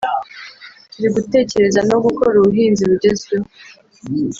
“Turi gutekereza no gukora ubuhinzi bugezweho